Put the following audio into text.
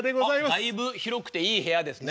だいぶ広くていい部屋ですね。